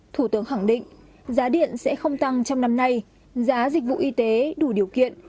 thủ tướng khẳng định giá điện sẽ không tăng trong năm nay giá dịch vụ y tế đủ điều kiện